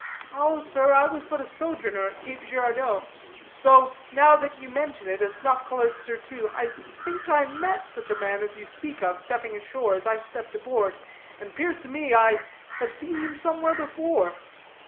"Oh, sir, I was but a sojourner at Cape Girádeau. Though, now that you mention a snuff colored surtout, I think I met such a man as you speak of stepping ashore as I stepped aboard, and 'pears to me I have seen him somewhere before.